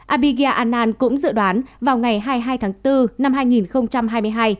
abhigya anand cũng dự đoán vào ngày hai mươi hai tháng bốn năm hai nghìn hai mươi hai